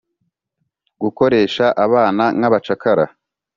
gukoresha abana nk’abacakara,